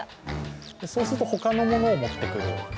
そうすると他のものを持ってくる。